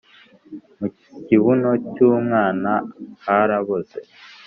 mu kibuno cy’ umwana haraboze.